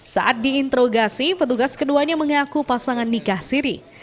saat diinterogasi petugas keduanya mengaku pasangan nikah siri